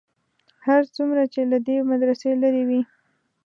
هر څومره چې له دې مدرسې لرې وې.